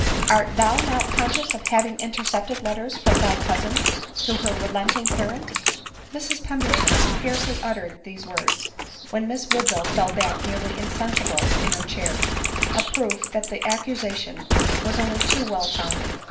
— Art thou not conscious of having intercepted letters from thy cousin, to her relenting parent ?" Mrs Pemberton had scarcely uttered there words, when Miss Woodville fell back nearly insensible in her chair — a proof that the accusation was only too well founded.